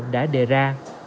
đã đề ra